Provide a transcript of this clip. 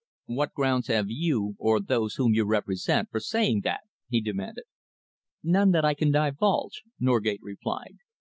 "What grounds have you, or those whom you represent, for saying that?" he demanded. "None that I can divulge," Norgate replied.